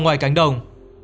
ngoài cánh đồng